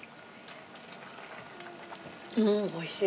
うんおいしい。